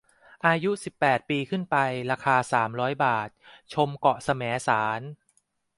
อายุ สิบแปด ปีขึ้นไป ราคา สามร้อย บาท ชมเกาะแสมสาร